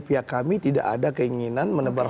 pihak kami tidak ada keinginan menebar